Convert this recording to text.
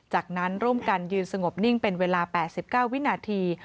จากนั้นร่วมกันยืนสงบนิ่งเป็นเวลา๘๙วินาที